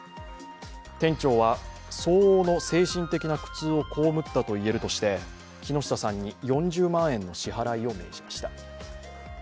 店長は、相応の精神的な苦痛を被ったといえるとして木下さんに４０万円の支払いを命じました。